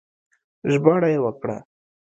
ژباړه يې وکړه